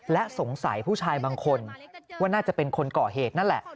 และสงสัยผู้ชายบางคนว่าน่าจะเป็นคนก่อเหตุนั่นแหละ